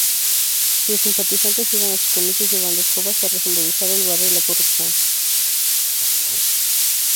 Sus simpatizantes iban a sus comicios llevando escobas, para simbolizar el "barrer la corrupción".